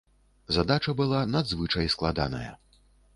Задача была надзвычай складаная.